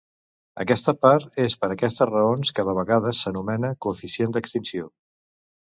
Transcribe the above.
Aquesta part és per aquestes raons que de vegades s'anomena coeficient d'extinció.